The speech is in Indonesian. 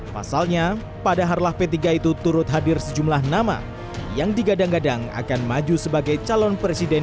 pasalnya pada harlah p tiga itu turut hadir sejumlah nama yang digadang gadang akan maju sebagai calon presiden